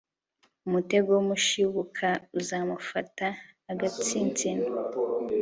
umutego w umushibuka uzamufata agatsinsino